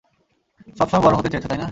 সবসময় বড় হতে চেয়েছ, তাইনা?